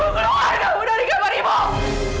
keluar dari kamarimu